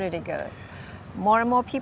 lebih banyak orang yang menandatangani